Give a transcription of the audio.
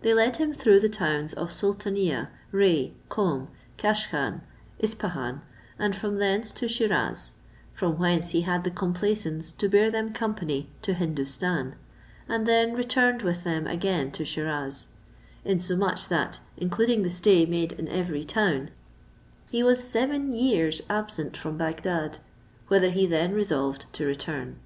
They led him through the towns of Sultania, Rei, Coam, Caschan, Ispahan, and from thence to Sheerauz; from whence he had the complaisance to bear them company to Hindoostan, and then returned with them again to Sheerauz; insomuch, that including the stay made in every town, he was seven years absent from Bagdad, whither he then resolved to return.